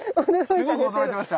すごく驚いてました。